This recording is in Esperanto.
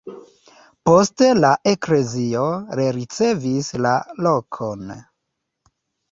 Poste la eklezio rericevis la lokon.